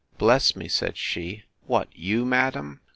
—Bless me, said she, what! you, madam!